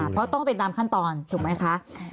เพราะต้องเป็นตามขั้นตอนถูกไหมคะ